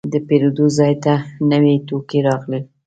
د پیرود ځای ته نوي توکي راغلل.